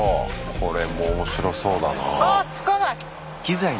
これも面白そうだな。